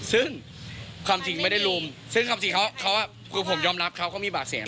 ซึ่งความจริงไม่ได้รุมซึ่งความจริงเขาคือผมยอมรับเขาเขามีบาดเสียง